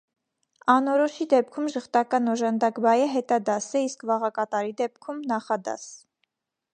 Անորոշի դեպքում ժխտական օժանդակ բայը հետադաս է, իսկ վաղակատարի դեպքում՝ նախադաս։